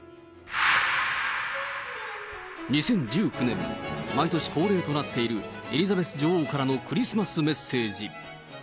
２０１９年、毎年恒例となっているエリザベス女王からのクリスマスメッセージ。